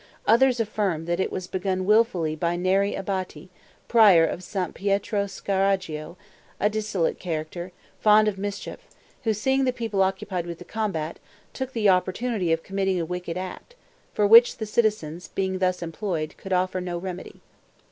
Others affirm that it was begun willfully by Neri Abati, prior of St. Pietro Scarragio, a dissolute character, fond of mischief, who, seeing the people occupied with the combat, took the opportunity of committing a wicked act, for which the citizens, being thus employed, could offer no remedy.